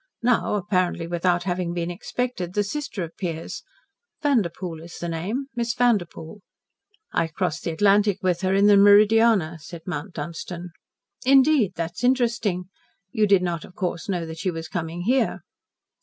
Now apparently without having been expected the sister appears. Vanderpoel is the name Miss Vanderpoel." "I crossed the Atlantic with her in the Meridiana," said Mount Dunstan. "Indeed! That is interesting. You did not, of course, know that she was coming here."